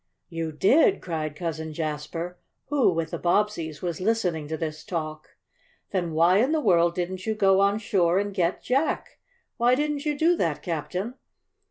"You did!" cried Cousin Jasper, who, with the Bobbseys, was listening to this talk. "Then why in the world didn't you go on shore and get Jack? Why didn't you do that, Captain?"